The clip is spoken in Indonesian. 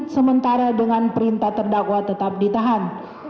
sementara dengan perintah terdakwa tetap ditahan